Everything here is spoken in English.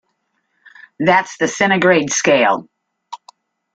That's the centigrade scale.